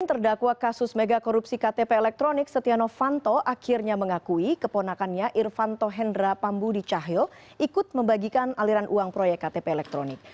terdakwa kasus mega korupsi ktp elektronik setia novanto akhirnya mengakui keponakannya irfanto hendra pambudi cahyo ikut membagikan aliran uang proyek ktp elektronik